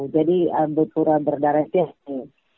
jadi ambit pura berdarah jahat